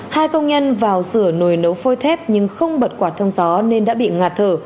hai công nhân vào sửa nồi nấu phôi thép nhưng không bật quả thông gió nên đã bị ngạt thở